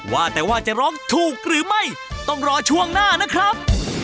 ว่าแต่ว่าจะร้องถูกหรือไม่ต้องรอช่วงหน้านะครับ